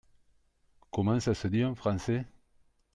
Comment ça se dit en français ?